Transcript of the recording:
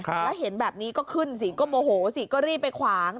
แล้วเห็นแบบนี้ก็ขึ้นสิก็โมโหสิก็รีบไปขวาง